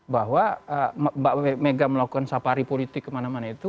bahwa mbak mega melakukan safari politik kemana mana itu